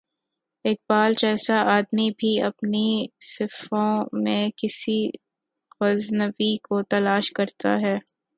اقبال جیسا آدمی بھی اپنی صفوں میں کسی غزنوی کو تلاش کرتا ہے۔